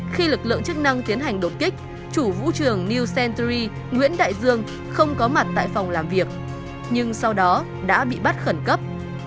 khi lực lượng chức năng tiến hành đột kích chủ vũ trường new celtery nguyễn đại dương không có mặt tại phòng làm việc nhưng sau đó đã bị bắt khẩn cấp